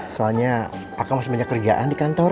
soalnya aku masih banyak kerjaan di kantor